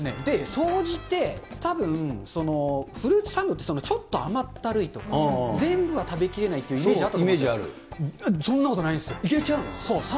総じて、たぶん、フルーツサンドってちょっと甘ったるいとか、全部は食べきれないっていうイメージあったと思うんですけど、いけちゃうの？